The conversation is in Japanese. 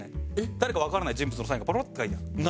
誰かわからない人物のサインがポロッて書いてある。